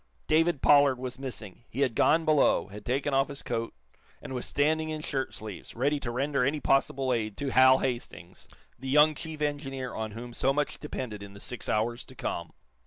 David Pollard was missing. He had gone below, had taken off his coat, and was standing in shirt sleeves, ready to render any possible aid to Hal Hastings, the young chief engineer on whom so much depended in the six hours to come.